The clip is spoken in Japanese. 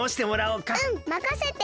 うんまかせて。